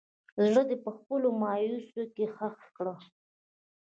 زړه دې په خپلو مايوسو کښې ښخ کړه